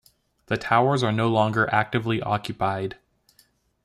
The towers are no longer actively occupied.